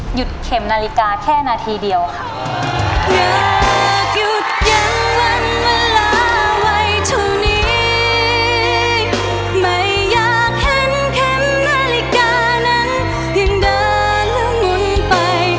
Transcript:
เข็มนาฬิกาแค่นาทีเดียวค่ะ